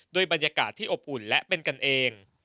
บรรยากาศที่อบอุ่นและเป็นกันเอง